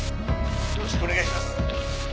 よろしくお願いします。